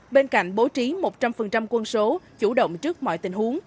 bên cạnh bố trí một trăm linh quân số chủ động trước mọi tình huống